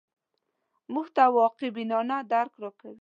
موږ ته واقع بینانه درک راکوي